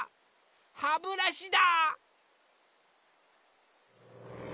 ハブラシだ！